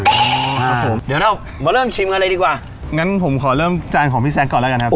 ครับผมเดี๋ยวเรามาเริ่มชิมกันเลยดีกว่างั้นผมขอเริ่มจานของพี่แซคก่อนแล้วกันครับผม